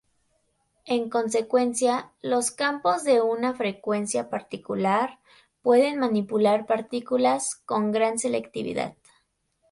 En consecuencia, los campos de una frecuencia particular pueden manipular partículas con gran selectividad.